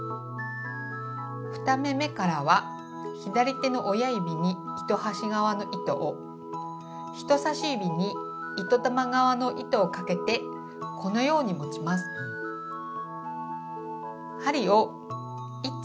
２目めからは左手の親指に糸端側の糸を人さし指に糸玉側の糸をかけてこのように持ちます。